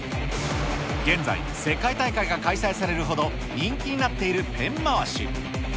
現在世界大会が開催されるほど人気になっているペン回し。